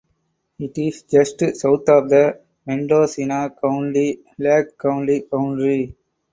It is just south of the Mendocino County–Lake County boundary.